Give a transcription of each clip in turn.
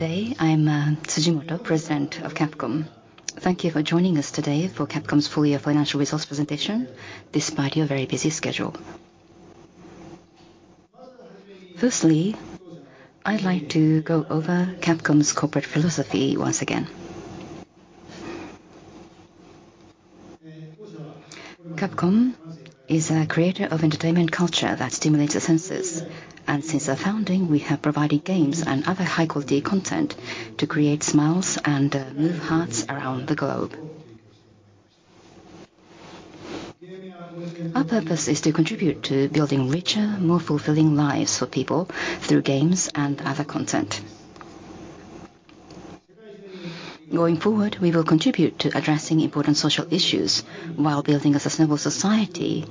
I'm Tsujimoto, President of Capcom. Thank you for joining us today for Capcom's full year financial results presentation, despite your very busy schedule. Firstly, I'd like to go over Capcom's corporate philosophy once again. Capcom is a creator of entertainment culture that stimulates the senses, and since our founding, we have provided games and other high-quality content to create smiles and move hearts around the globe. Our purpose is to contribute to building richer, more fulfilling lives for people through games and other content. Going forward, we will contribute to addressing important social issues while building a sustainable society,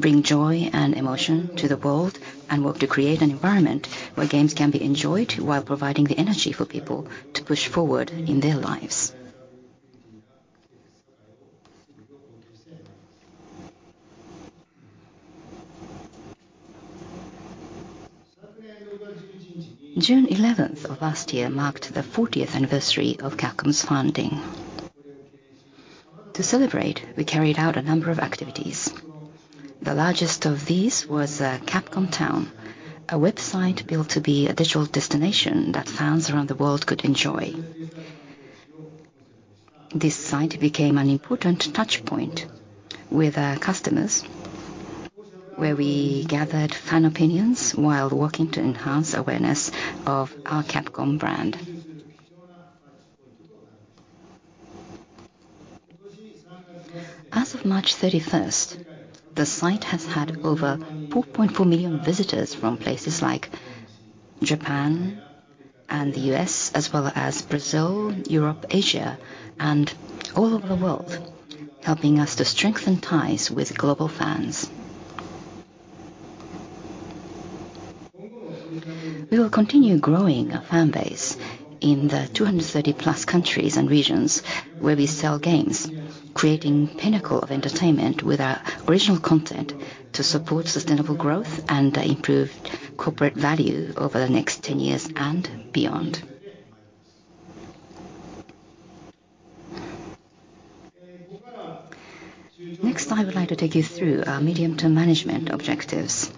bring joy and emotion to the world, and work to create an environment where games can be enjoyed while providing the energy for people to push forward in their lives. June 11th of last year marked the fortieth anniversary of Capcom's founding. To celebrate, we carried out a number of activities. The largest of these was Capcom Town, a website built to be a digital destination that fans around the world could enjoy. This site became an important touchpoint with our customers, where we gathered fan opinions while working to enhance awareness of our Capcom brand. As of March 31st, the site has had over 4.4 million visitors from places like Japan and the U.S., as well as Brazil, Europe, Asia, and all over the world, helping us to strengthen ties with global fans. We will continue growing our fan base in the 230+ countries and regions where we sell games, creating pinnacle of entertainment with our original content to support sustainable growth and improved corporate value over the next 10 years and beyond. Next, I would like to take you through our medium-term management objectives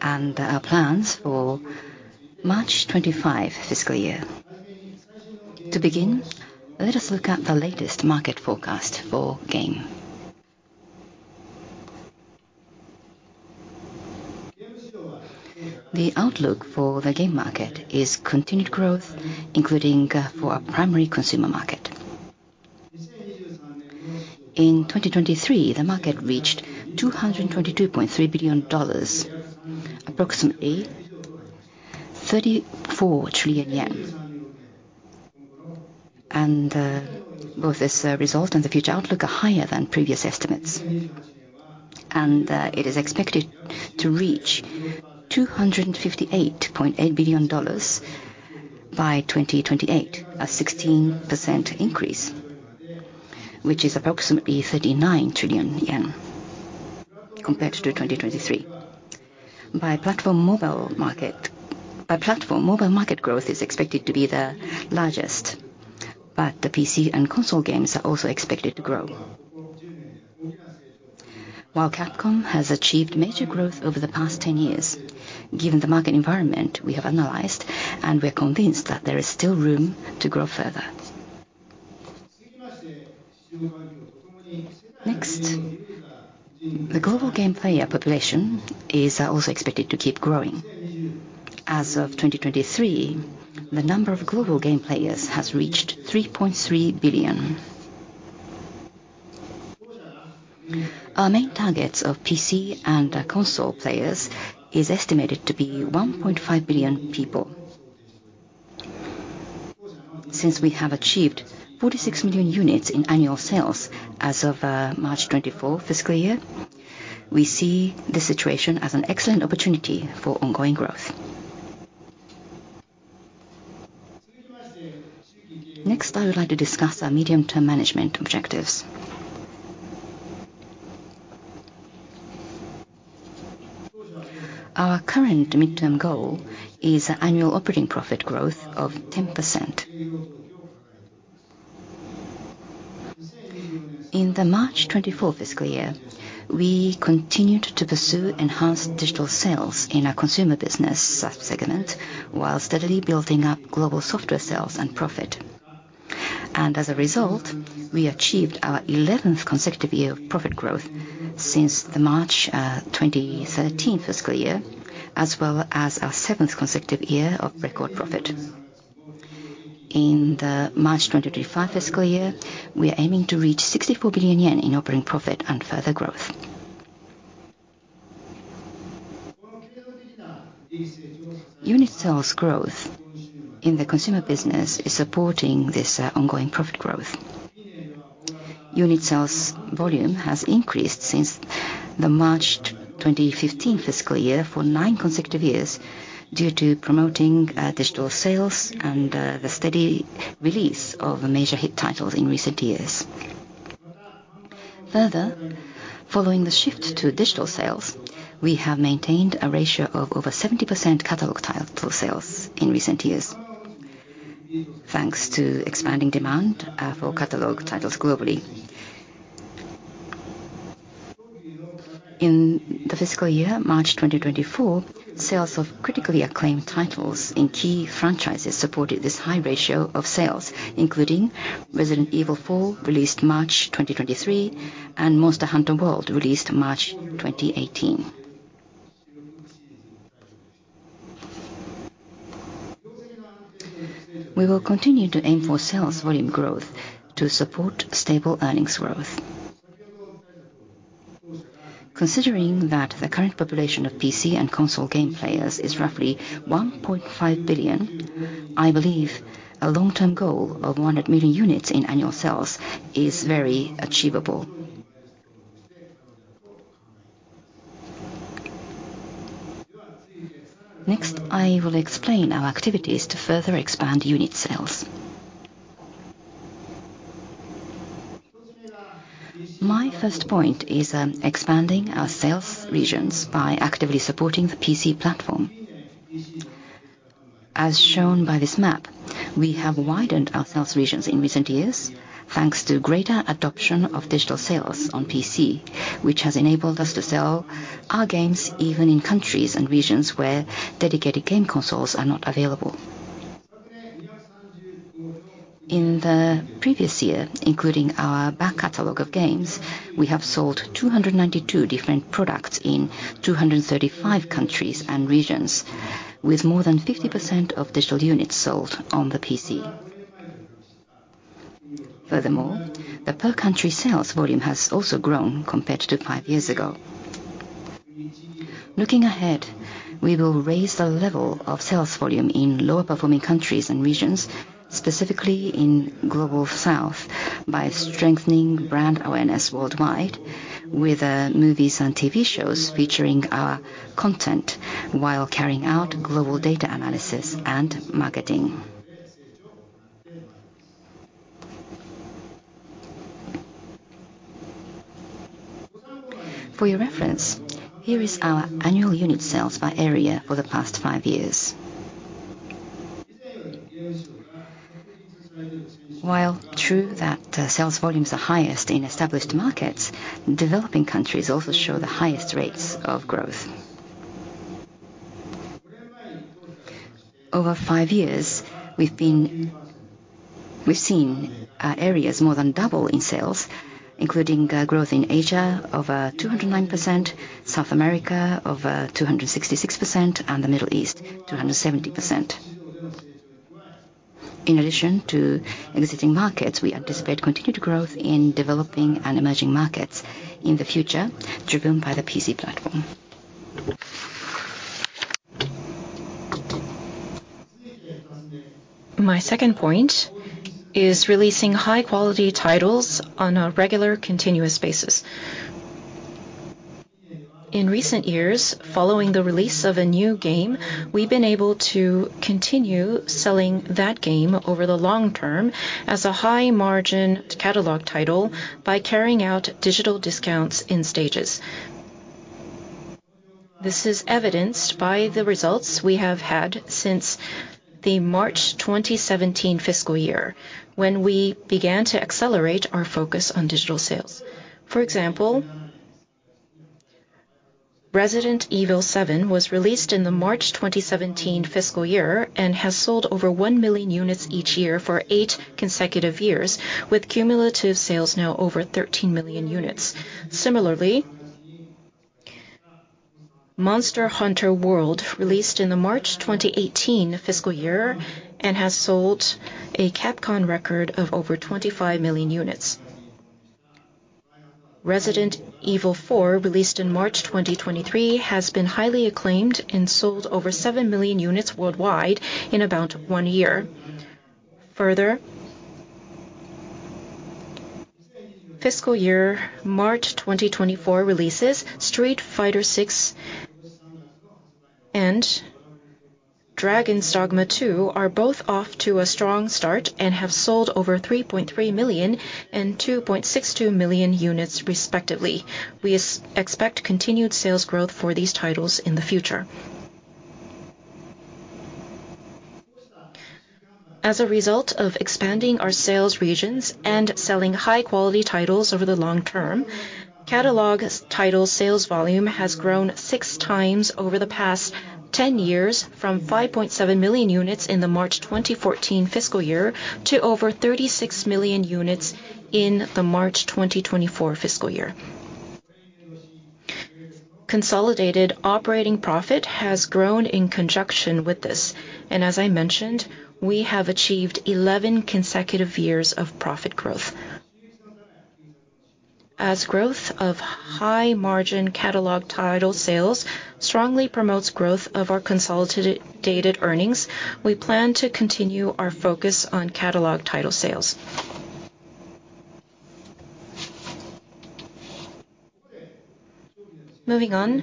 and plans for March 2025 fiscal year. To begin, let us look at the latest market forecast for game. The outlook for the game market is continued growth, including for our primary consumer market. In 2023, the market reached $222.3 billion, approximately JPY 34 trillion. Both this result and the future outlook are higher than previous estimates, and it is expected to reach $258.8 billion by 2028, a 16% increase, which is approximately 39 trillion yen compared to 2023. By platform, mobile market growth is expected to be the largest, but the PC and console games are also expected to grow. While Capcom has achieved major growth over the past 10 years, given the market environment, we have analyzed and we're convinced that there is still room to grow further. Next, the global game player population is also expected to keep growing. As of 2023, the number of global game players has reached 3.3 billion. Our main targets of PC and console players is estimated to be 1.5 billion people. Since we have achieved 46 million units in annual sales as of March 2024 fiscal year, we see the situation as an excellent opportunity for ongoing growth. Next, I would like to discuss our medium-term management objectives. Our current midterm goal is annual operating profit growth of 10%. In the March 2024 fiscal year, we continued to pursue enhanced digital sales in our consumer business segment, while steadily building up global software sales and profit. And as a result, we achieved our 11th consecutive year of profit growth since the March 2013 fiscal year, as well as our 7th consecutive year of record profit. In the March 2025 fiscal year, we are aiming to reach 64 billion yen in operating profit and further growth. Unit sales growth in the consumer business is supporting this ongoing profit growth. Unit sales volume has increased since the March 2015 fiscal year for nine consecutive years due to promoting digital sales and the steady release of major hit titles in recent years. Further, following the shift to digital sales, we have maintained a ratio of over 70% catalog title sales in recent years, thanks to expanding demand for catalog titles globally. In the fiscal year, March 2024, sales of critically acclaimed titles in key franchises supported this high ratio of sales, including Resident Evil 4, released March 2023, and Monster Hunter World, released March 2018. We will continue to aim for sales volume growth to support stable earnings growth. Considering that the current population of PC and console game players is roughly 1.5 billion, I believe a long-term goal of 100 million units in annual sales is very achievable. Next, I will explain our activities to further expand unit sales. My first point is expanding our sales regions by actively supporting the PC platform. As shown by this map, we have widened our sales regions in recent years, thanks to greater adoption of digital sales on PC, which has enabled us to sell our games even in countries and regions where dedicated game consoles are not available. In the previous year, including our back catalog of games, we have sold 292 different products in 235 countries and regions, with more than 50% of digital units sold on the PC. Furthermore, the per-country sales volume has also grown compared to five years ago. Looking ahead, we will raise the level of sales volume in lower-performing countries and regions, specifically in Global South, by strengthening brand awareness worldwide with movies and TV shows featuring our content, while carrying out global data analysis and marketing. For your reference, here is our annual unit sales by area for the past five years. While true that sales volumes are highest in established markets, developing countries also show the highest rates of growth. Over five years, we've seen areas more than double in sales, including growth in Asia of 209%, South America of 266%, and the Middle East, 270%. In addition to existing markets, we anticipate continued growth in developing and emerging markets in the future, driven by the PC platform. My second point is releasing high-quality titles on a regular, continuous basis. In recent years, following the release of a new game, we've been able to continue selling that game over the long term as a high-margin catalog title by carrying out digital discounts in stages. This is evidenced by the results we have had since the March 2017 fiscal year, when we began to accelerate our focus on digital sales. For example, Resident Evil 7 was released in the March 2017 fiscal year and has sold over 1 million units each year for 8 consecutive years, with cumulative sales now over 13 million units. Similarly, Monster Hunter World, released in the March 2018 fiscal year, and has sold a Capcom record of over 25 million units. Resident Evil 4, released in March 2023, has been highly acclaimed and sold over 7 million units worldwide in about one year. Further, fiscal year March 2024 releases, Street Fighter 6 and Dragon's Dogma 2 are both off to a strong start and have sold over 3.3 million and 2.62 million units, respectively. We expect continued sales growth for these titles in the future. As a result of expanding our sales regions and selling high-quality titles over the long term, catalog title sales volume has grown 6x over the past 10 years, from 5.7 million units in the March 2014 fiscal year to over 36 million units in the March 2024 fiscal year. Consolidated operating profit has grown in conjunction with this, and as I mentioned, we have achieved 11 consecutive years of profit growth. As growth of high-margin catalog title sales strongly promotes growth of our consolidated earnings, we plan to continue our focus on catalog title sales.... Moving on,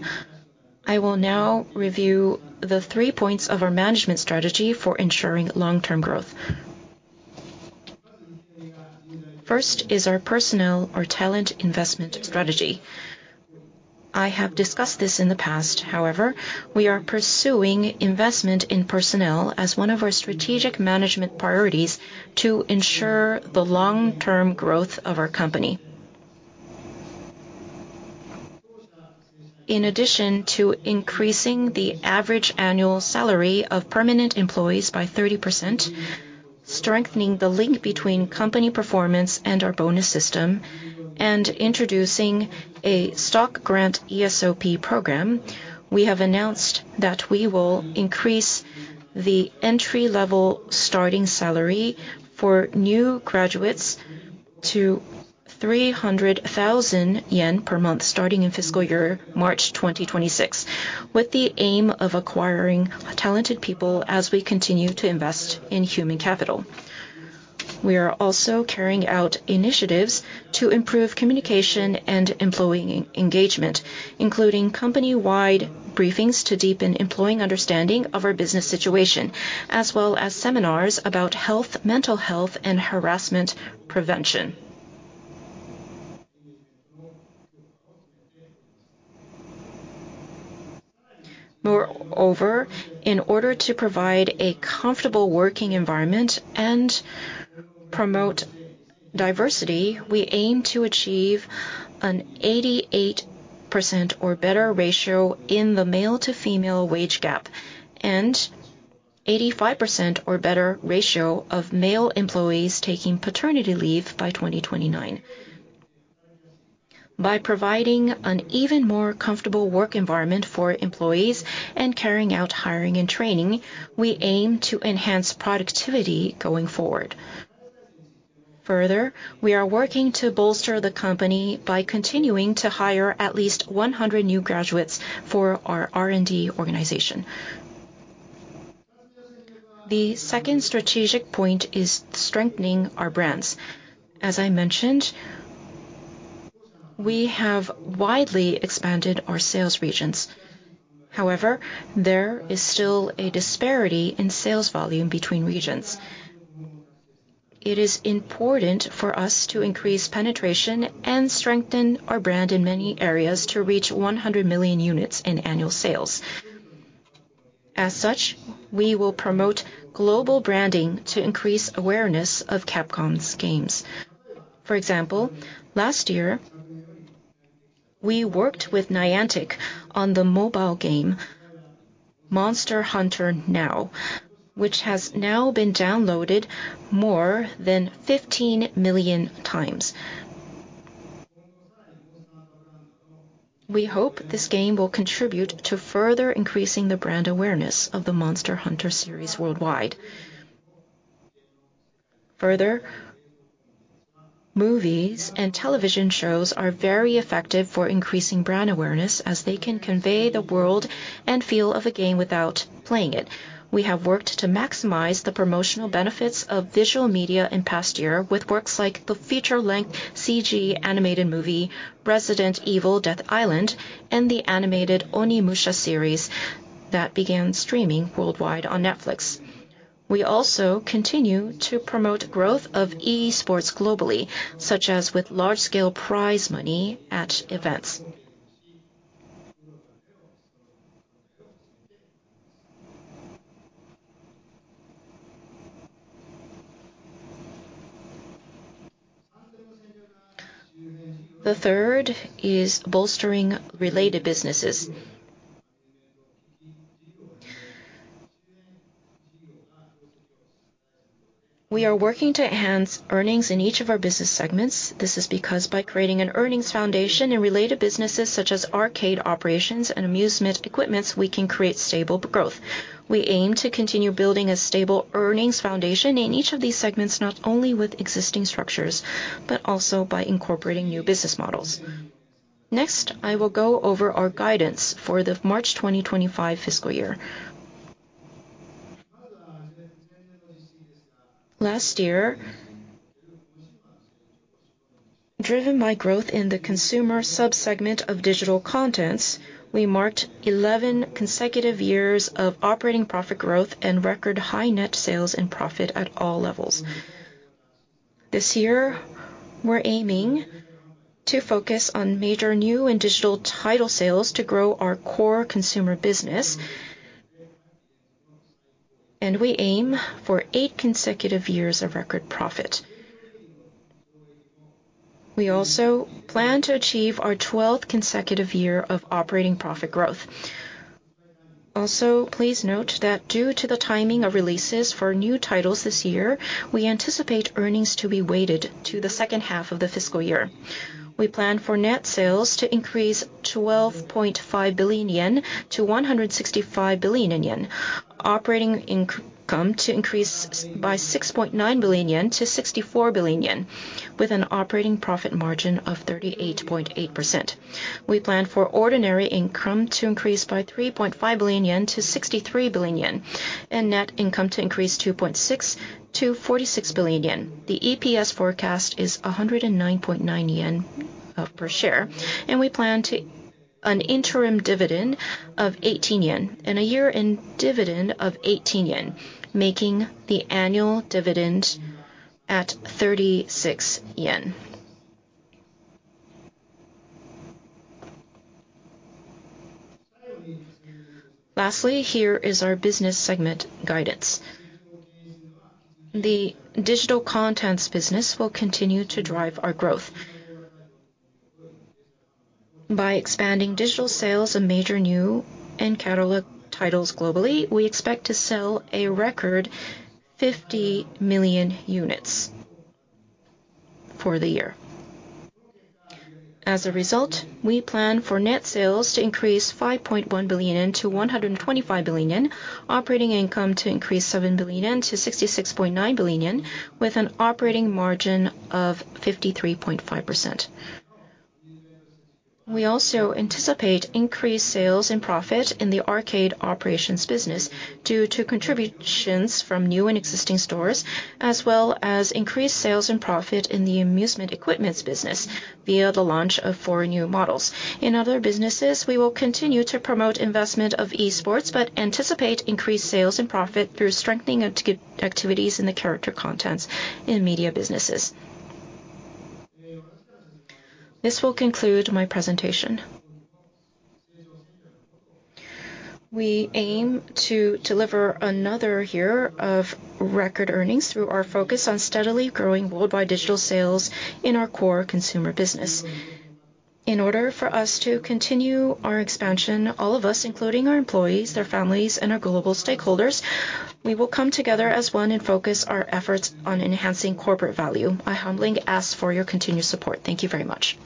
I will now review the three points of our management strategy for ensuring long-term growth. First is our personnel or talent investment strategy. I have discussed this in the past, however, we are pursuing investment in personnel as one of our strategic management priorities to ensure the long-term growth of our company. In addition to increasing the average annual salary of permanent employees by 30%, strengthening the link between company performance and our bonus system, and introducing a stock grant ESOP program, we have announced that we will increase the entry-level starting salary for new graduates to 300,000 yen per month, starting in fiscal year March 2026, with the aim of acquiring talented people as we continue to invest in human capital. We are also carrying out initiatives to improve communication and employee engagement, including company-wide briefings to deepen employee understanding of our business situation, as well as seminars about health, mental health, and harassment prevention. Moreover, in order to provide a comfortable working environment and promote diversity, we aim to achieve an 88% or better ratio in the male to female wage gap, and 85% or better ratio of male employees taking paternity leave by 2029. By providing an even more comfortable work environment for employees and carrying out hiring and training, we aim to enhance productivity going forward. Further, we are working to bolster the company by continuing to hire at least 100 new graduates for our R&D organization. The second strategic point is strengthening our brands. As I mentioned, we have widely expanded our sales regions. However, there is still a disparity in sales volume between regions. It is important for us to increase penetration and strengthen our brand in many areas to reach 100 million units in annual sales. As such, we will promote global branding to increase awareness of Capcom's games. For example, last year, we worked with Niantic on the mobile game Monster Hunter Now, which has now been downloaded more than 15 million times. We hope this game will contribute to further increasing the brand awareness of the Monster Hunter series worldwide. Further, movies and television shows are very effective for increasing brand awareness, as they can convey the world and feel of a game without playing it. We have worked to maximize the promotional benefits of visual media in the past year, with works like the feature-length CG animated movie, Resident Evil: Death Island, and the animated Onimusha series that began streaming worldwide on Netflix. We also continue to promote growth of Esports globally, such as with large-scale prize money at events. The third is bolstering related businesses. We are working to enhance earnings in each of our business segments. This is because by creating an earnings foundation in related businesses, such as Arcade Operations and Amusement Equipments, we can create stable growth. We aim to continue building a stable earnings foundation in each of these segments, not only with existing structures, but also by incorporating new business models. Next, I will go over our guidance for the March 2025 fiscal year. Last year, driven by growth in the consumer sub-segment of Digital Contents, we marked 11 consecutive years of operating profit growth and record high net sales and profit at all levels. This year, we're aiming to focus on major new and digital title sales to grow our core consumer business. We aim for eight consecutive years of record profit. We also plan to achieve our 12th consecutive year of operating profit growth. Also, please note that due to the timing of releases for new titles this year, we anticipate earnings to be weighted to the second half of the fiscal year. We plan for net sales to increase 12.5 billion-165 billion yen. Operating income to increase by 6.9 billion-64 billion yen, with an operating profit margin of 38.8%. We plan for ordinary income to increase by 3.5 billion-63 billion yen, and net income to increase 2.6% to 46 billion yen. The EPS forecast is 109.9 yen per share, and we plan to an interim dividend of 18 yen, and a year-end dividend of 18 yen, making the annual dividend 36 yen. Lastly, here is our business segment guidance. The Digital Contents business will continue to drive our growth. By expanding digital sales of major new and catalog titles globally, we expect to sell a record 50 million units for the year. As a result, we plan for net sales to increase 5.1 billion-125 billion yen, operating income to increase 7 billion-66.9 billion yen, with an operating margin of 53.5%. We also anticipate increased sales and profit in the Arcade Operations business due to contributions from new and existing stores, as well as increased sales and profit in the Amusement Equipments business via the launch of four new models. In other businesses, we will continue to promote investment of Esports, but anticipate increased sales and profit through strengthening activities in the Character Contents and Media Businesses. This will conclude my presentation. We aim to deliver another year of record earnings through our focus on steadily growing worldwide digital sales in our core consumer business. In order for us to continue our expansion, all of us, including our employees, their families, and our global stakeholders, we will come together as one and focus our efforts on enhancing corporate value. I humbly ask for your continued support. Thank you very much.